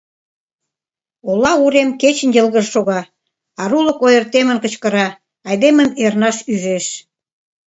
Ола урем кечын йылгыж шога, арулык ойыртемын кычкыра, айдемым эрнаш ӱжеш.